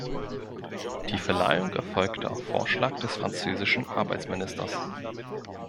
Die Verleihung erfolgte auf Vorschlag des französischen Arbeitsministers.